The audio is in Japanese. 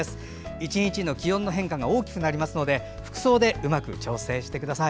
１日の気温の変化が大きくなりますので服装でうまく調整してください。